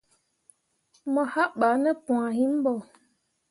Mo haɓah ne põo himi.